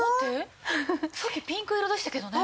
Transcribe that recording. さっきピンク色でしたけどね。